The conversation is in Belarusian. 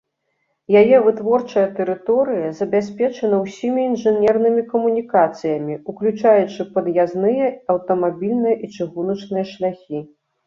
Яе вытворчая тэрыторыя забяспечана ўсімі інжынернымі камунікацыямі, уключаючы пад'язныя аўтамабільныя і чыгуначныя шляхі.